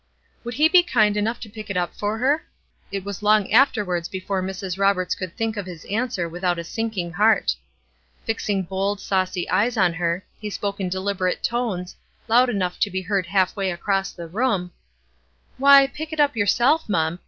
Would he be kind enough to pick it up for her? It was long afterwards before Mrs. Roberts could think of his answer without a sinking heart. Fixing bold, saucy eyes on her, he spoke in deliberate tones, loud enough to be heard half way across the room: "Why, pick it up yourself, mum!